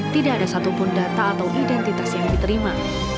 tidak ada satupun data atau identitas yang diterima